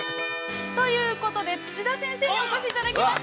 ◆ということで、土田先生にお越しいただきました。